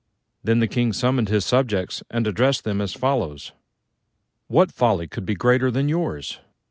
Then the King summoned his subjects and addressed them as follows: "What folly could be greater than yours?